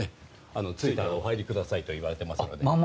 着いたらお入りくださいと言われていますからね。